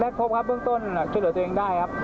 พบครับเบื้องต้นช่วยเหลือตัวเองได้ครับ